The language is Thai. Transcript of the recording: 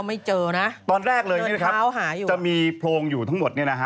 พอก็ไม่เจอน่ะต้นแรกเลยคือจะมีโพรงอยู่ทั้งหมดเนี่ยนะฮะ